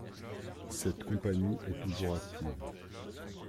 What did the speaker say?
Cette compagnie est toujours active.